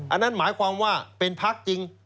อันนั้นหมายความว่าเป็นพักจริง